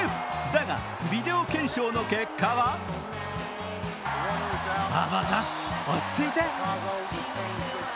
だがビデオ検証の結果はバーバー君、落ち着いて。